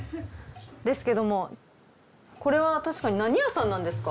ですけどもこれは確かに何屋さんなんですか？